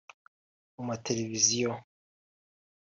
mu mateleviziyo